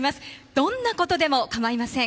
どんなことでも構いません。